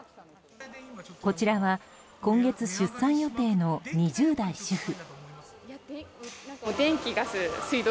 こちらは今月出産予定の２０代主婦。